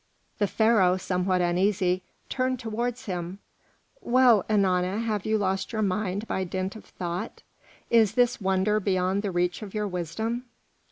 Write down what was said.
The Pharaoh, somewhat uneasy, turned towards him. "Well, Ennana, have you lost your mind by dint of thought? Is this wonder beyond the reach of your wisdom?"